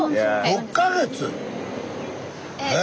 ６か月⁉え